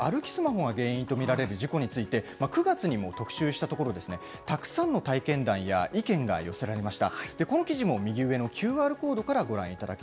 おはよう日本では、歩きスマホが原因と見られる事故について、９月にも特集したところ、たくさんの体験談や意見が寄せられました。